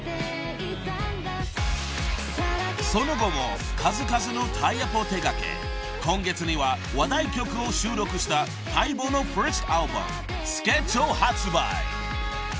［その後も数々のタイアップを手掛け今月には話題曲を収録した待望のファーストアルバム『Ｓｋｅｔｃｈ』を発売］